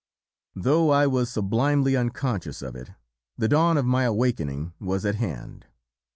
"Though I was sublimely unconscious of it, the dawn of my awakening was at hand.